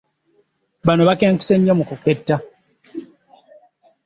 Bano bakenkuse nnyo mu kuketta.